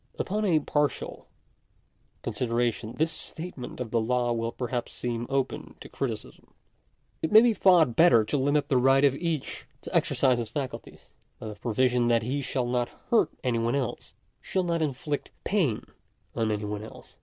§4. Upon a partial consideration this statement of the law will perhaps seem open to criticism. It may be thought better to limit the right of each to exercise his faculties, by the pro viso that he shall not hurt any one else—shall not inflict pain on any one else.